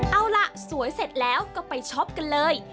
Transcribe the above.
เอาล่ะสวยเสร็จแล้วก็ไปช็อปกันเลย